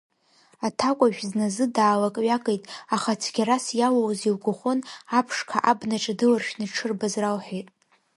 Аҭакәажә зназы даалак-ҩакит, аха цәгьарас иалоузеи лгәхәын, аԥшқа абнаҿ дыларшәны дшырбаз ралҳәеит.